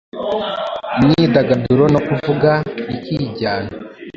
imyidagaduro no kuvuga rikijyana,